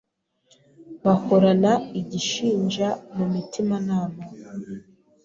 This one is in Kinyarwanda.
Bahorana igishinja mu mutimanama,